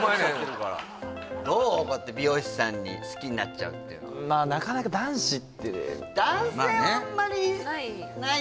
こうやって美容師さんに好きになっちゃうっていうのはまあなかなか男子って男性はあんまりない？